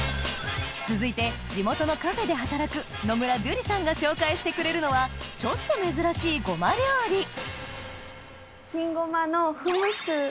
続いて地元のカフェで働く野村樹里さんが紹介してくれるのはちょっと珍しいごま料理金ごまのフムスを。